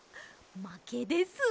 まけです！